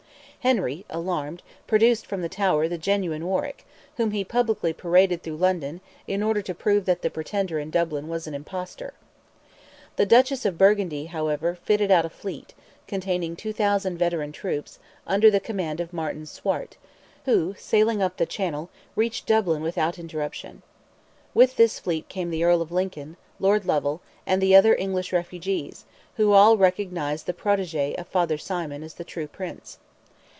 Henry, alarmed, produced from the Tower the genuine Warwick, whom he publicly paraded through London, in order to prove that the pretender in Dublin was an impostor. The Duchess of Burgundy, however, fitted out a fleet, containing 2,000 veteran troops, under the command of Martin Swart, who, sailing up the channel, reached Dublin without interruption. With this fleet came the Earl of Lincoln, Lord Lovell, and the other English refugees, who all recognized the protege of Father Symon as the true Prince.